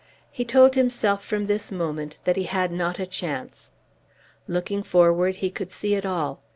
He told himself from this moment that he had not a chance. Looking forward he could see it all.